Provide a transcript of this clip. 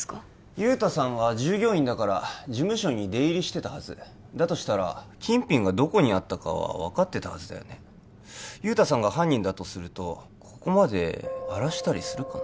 雄太さんは従業員だから事務所に出入りしてたはずだとしたら金品がどこにあったか分かってたはずだよね雄太さんが犯人だとするとここまで荒らしたりするかな？